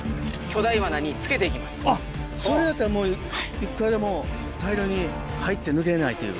あっそれやったらもういくらでも大量に入って抜けれないという。